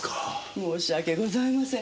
申し訳ございません。